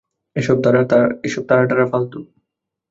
এসব তারা-টারা ফালতু।